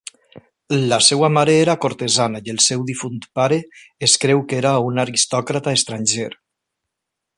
La seva mare era cortesana i el seu difunt pare es creu que era un aristòcrata estranger.